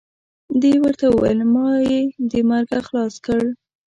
دې ورته وویل ما یې د مرګه خلاص کړ.